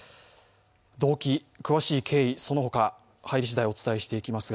動機、詳しい経緯、その他、入り次第お伝えしていきますが